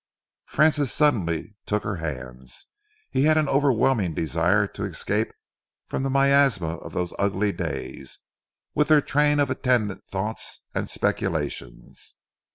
Francis suddenly took her hands. He had an overwhelming desire to escape from the miasma of those ugly days, with their train of attendant thoughts and speculations.